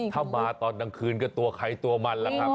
ถ้ามาตอนกลางคืนก็ตัวใครตัวมันแล้วครับ